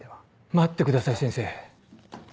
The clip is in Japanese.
待ってください先生。